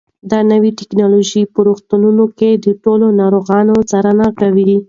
دا نوې ټیکنالوژي په روغتونونو کې د ټولو ناروغانو څارنه کوي.